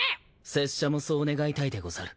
拙者もそう願いたいでござる。